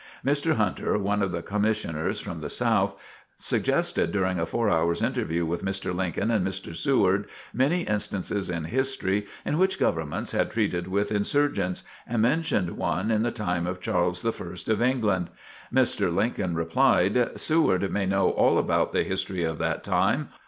Mr. Hunter, one of the Commissioners from the South, suggested, during a four hours' interview with Mr. Lincoln and Mr. Seward, many instances in history in which governments had treated with insurgents, and mentioned one in the time of Charles I of England. Mr. Lincoln replied: "Seward may know all about the history of that time.